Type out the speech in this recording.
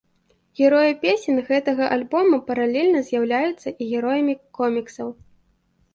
Героі песень гэтага альбома паралельна з'яўляюцца і героямі коміксаў.